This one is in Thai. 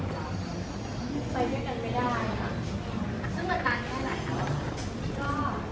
ไปเที่ยวกันไม่ได้นะคะซึ่งเหมือนกันแค่ไหนครับก็